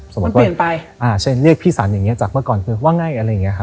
สมมุติว่าเรียกพี่สันอย่างนี้จากเมื่อก่อนว่าไงอะไรอย่างนี้